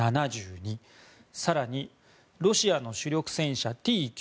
更に、ロシアの主力戦車Ｔ９０。